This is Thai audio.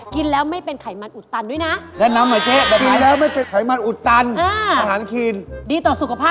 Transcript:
กินแล้วไม่เป็นไขมันอุดตันด้วยนะ